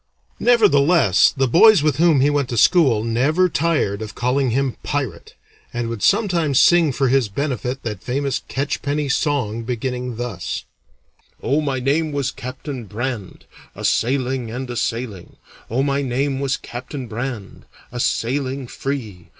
Nevertheless, the boys with whom he went to school never tired of calling him "Pirate," and would sometimes sing for his benefit that famous catchpenny song beginning thus: Oh, my name was Captain Brand, A sailing, And a sailing; Oh, my name was Captain Brand, A sailing free.